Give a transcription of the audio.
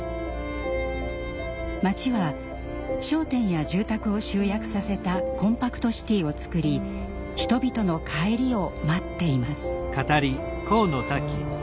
町は商店や住宅を集約させたコンパクトシティをつくり人々の帰りを待っています。